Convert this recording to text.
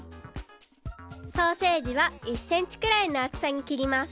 ソーセージは１センチくらいのあつさにきります。